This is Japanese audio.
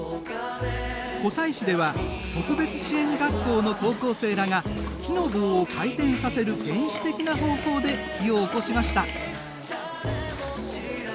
湖西市では特別支援学校の高校生らが木の棒を回転させる原始的な方法で火をおこしました。